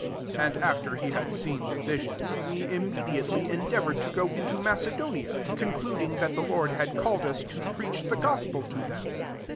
10 And after he had seen the vision, we immediately en deavoured to go into Mace donia; concluding that the Lord had called us to preach the gospel to them.